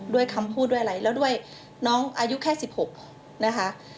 ด้วยคำพูดด้วยอะไรแล้วด้วยน้องอายุแค่๑๖นะคะ